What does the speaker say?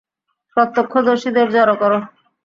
প্রত্যক্ষদর্শীদের জড়ো করো।